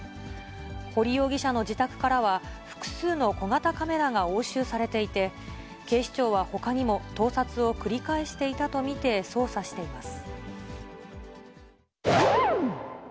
堀容疑者の自宅からは、複数の小型カメラが押収されていて、警視庁はほかにも盗撮を繰り返していたと見て、捜査しています。